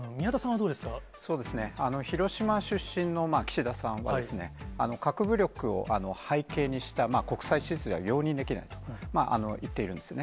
そうですね、広島出身の岸田さんは、核武力を背景にした国債支出は容認できないと言っているんですね。